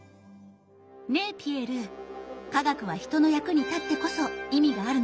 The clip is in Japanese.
ねえピエール科学は人の役に立ってこそ意味があるのよね？